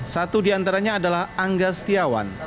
satu diantaranya adalah angga setiawan